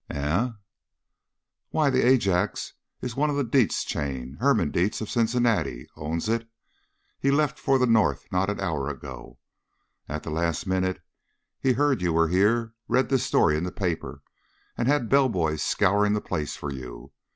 "Eh?" "Why, the Ajax is one of the Dietz chain! Herman Dietz of Cincinnati owns it. He left for the North not an hour ago. At the last minute he heard you were here read this story in the paper and had bellboys scouring the place for you.